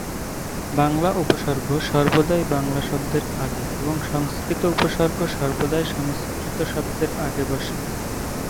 বাংলা উপসর্গ সর্বদাই বাংলা শব্দের আগে এবং সংস্কৃত উপসর্গ সর্বদাই সংস্কৃত শব্দের আগে বসে।